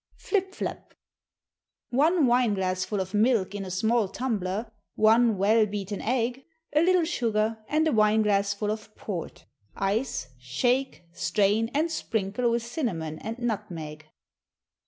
Flip Flap. One wine glassful of milk in a small tumbler, one well beaten egg, a little sugar, and a wine glassful of port. Ice, shake, strain, and sprinkle with cinnamon and nutmeg.